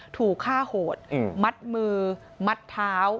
ถูกฆ่าโหดมัดมือมัดเท้า